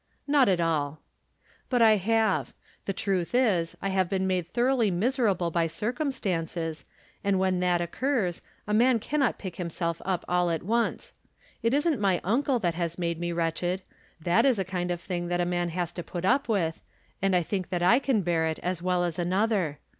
"Not at all." "But I have. The truth is, I have been made thoroughly miserable by circumstances, and, when that occurs, a man cannot pick himself up all at once. It isn't my uncle that has made me wretched. That is a kind of thing that a man has to put up with, and I think that I can bear it as well as another.